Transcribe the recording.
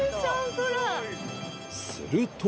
すると